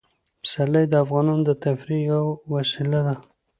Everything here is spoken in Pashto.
پسرلی د افغانانو د تفریح یوه وسیله ده.